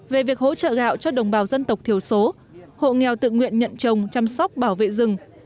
về việc hỗ trợ gạo cho đồng bào dân tộc thiểu số hộ nghèo tự nguyện nhận trồng chăm sóc bảo vệ rừng